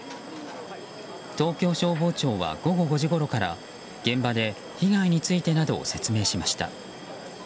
東京消防庁は午後５時ごろから現場で被害についてなどを説明しました。